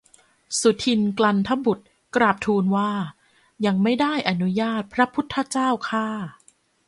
สุทินน์กลันทบุตรกราบทูลว่า ยังไม่ได้อนุญาต พระพุทธเจ้าข้า